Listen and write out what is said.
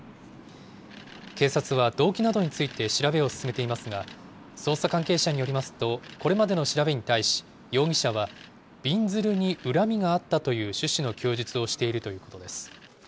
警察は動機などについて調べを進めていますが、捜査関係者によりますと、これまでの調べに対し、容疑者は、びんずるに恨みがあったという趣旨の供述をしているということです。